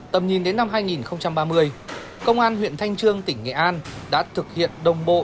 tầm nhìn đến năm hai nghìn ba mươi công an huyện thanh trương tỉnh nghệ an đã thực hiện đồng bộ